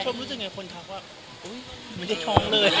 รู้จักไงคนทักว่าอย่างเบลูยะไม่ได้ท้องเลย